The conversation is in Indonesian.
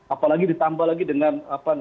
apalagi ditambah lagi dengan